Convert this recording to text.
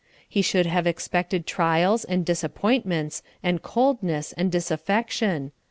He should have expected trials, and disappointments, and coldness, and disaffection.